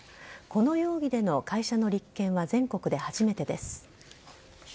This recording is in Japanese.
この容疑での会社の立件は全国で初めてです。